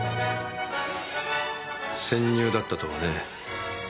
潜入だったとはね。